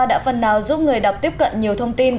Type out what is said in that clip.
đã phần nào giúp người đọc tiếp cận nhiều thông tin